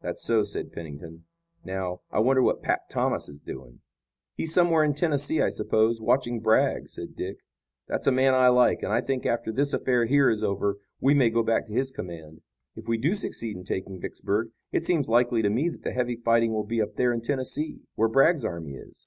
"That's so," said Pennington. "Now, I wonder what 'Pap' Thomas is doing." "He's somewhere in Tennessee, I suppose, watching Bragg," said Dick. "That's a man I like, and, I think, after this affair here is over, we may go back to his command. If we do succeed in taking Vicksburg, it seems likely to me that the heavy fighting will be up there in Tennessee, where Bragg's army is."